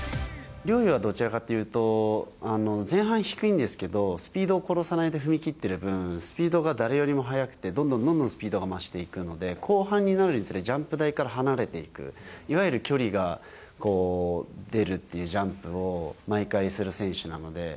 陵侑はどちらかというと、前半低いんですけど、スピードを殺さないで踏み切っている分、スピードが誰よりも速くって、どんどんどんどんスピードが増していくんで、後半になるにつれ、ジャンプ台から離れていく、いわゆる距離が出るっていうジャンプを毎回する選手なので。